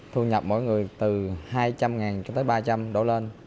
thu nhập mỗi người từ hai trăm linh cho tới ba trăm linh đổ lên